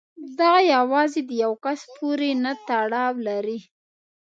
دا یوازې د یو کس پورې نه تړاو لري.